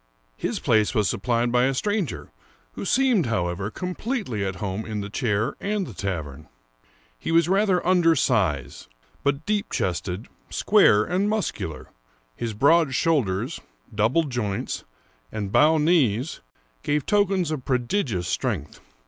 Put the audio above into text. His place was supplied by a stranger, who seemed, however, completely at home in the chair and the tavern. He was rather under size, but deep chested, square, and muscular. His broad 1 80 IVashington Irving shoulders, double joints, and bow knees gave tokens of pro digious strength.